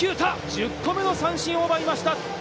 １０個の三振を奪いました。